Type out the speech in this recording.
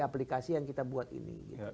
aplikasi yang kita buat ini